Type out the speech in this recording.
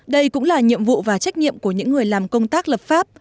đây cũng là nhiệm vụ và trách nhiệm của những người làm công tác lập pháp